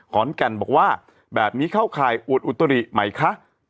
แก่นบอกว่าแบบนี้เข้าข่ายอวดอุตริใหม่คะ